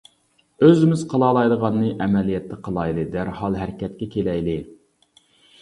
ئۆزىمىز قىلالايدىغاننى ئەمەلىيەتتە قىلايلى، دەرھال ھەرىكەتكە كېلەيلى.